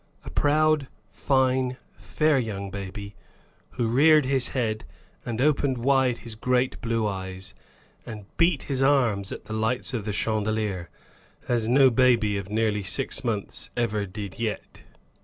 A proud, fine, fair young baby, who reared his head and opened wide his great blue eyes, and beat his arms at the lights of the chandelier, as no baby of nearly six months ever did yet.